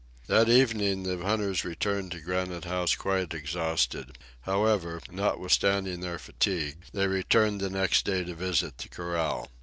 That evening the hunters returned to Granite House quite exhausted. However, notwithstanding their fatigue, they returned the next day to visit the corral.